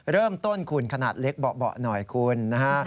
เริ่มต้นคุณขนาดเล็กเบาะหน่อยคุณนะฮะ